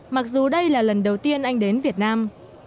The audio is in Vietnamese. mặc dù đây là lần đầu tiên anh đến việt nam